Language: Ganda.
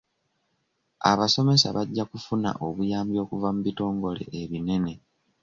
Abasomesa bajja kufuna obuyambi okuva mu bitongole ebinene.